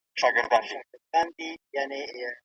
ایا ملي بڼوال ممیز پروسس کوي؟